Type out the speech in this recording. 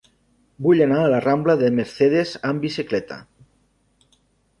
Vull anar a la rambla de Mercedes amb bicicleta.